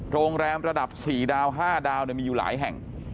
โรงแรมระดับ๔ดาว๕ดาวมีอยู่หลายแห่ง